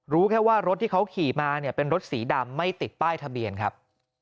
รู้แค่ว่ารถที่เขาขี่มาเนี่ยเป็นรถสีดำไม่ติดป้ายทะเบียนครับ